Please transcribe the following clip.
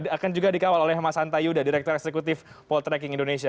akan juga dikawal oleh mas antayuda direktur eksekutif poltrek indonesia